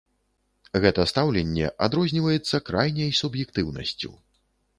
Гэта стаўленне адрозніваецца крайняй суб'ектыўнасцю.